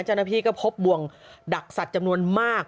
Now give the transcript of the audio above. เจ้าหน้าที่ก็พบบวงดักสัตว์จำนวนมาก